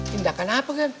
tindakan apa gan